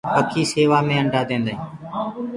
پکي سيوآ مي انڊآ ديندآ هينٚ۔